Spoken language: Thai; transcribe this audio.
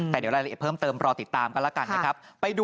แต่เดี๋ยวรายละเอียดเพิ่มเติมรอติดตามกันแล้วกันนะครับ